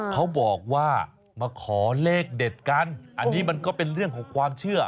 เขาบอกว่ามาขอเลขเด็ดกันอันนี้มันก็เป็นเรื่องของความเชื่อ